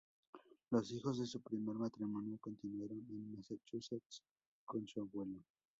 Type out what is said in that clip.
Los hijos de su primer matrimonio continuaron en Massachusetts con su abuelo.